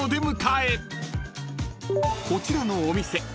［こちらのお店